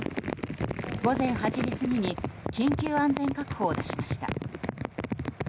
午前８時過ぎに緊急安全確保を出しました。